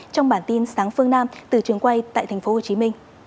trong bản tin sáng phương nam từ trường quay tại tp hcm